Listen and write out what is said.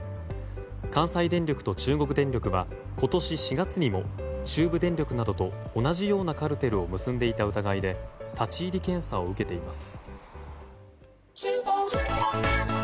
関西電力と中国電力は今年４月にも中部電力などと同じようなカルテルを結んでいた疑いで立ち入り検査を受けています。